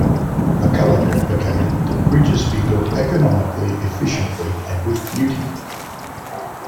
McCullough advocated that bridges be built economically, efficiently, and with beauty.